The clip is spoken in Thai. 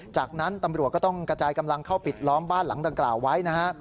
จากนั้นตำรวจก็ต้องกระจายกำลังเข้าปิดล้อมบ้านหลังดังกล่าวไว้นะฮะ